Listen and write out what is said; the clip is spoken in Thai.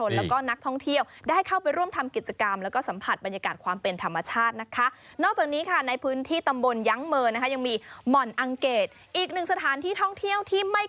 เยอะมากเลยนะฮะนี่ก็เปิดให้ประชาชนและก็นักท่องเที่ยว